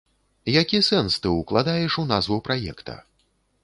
Які сэнс ты ўкладаеш у назву праекта?